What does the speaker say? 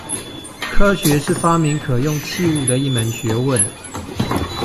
科學是發明可用器物的一門學問